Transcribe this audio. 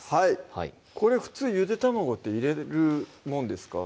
はいこれ普通ゆで卵って入れるもんですか？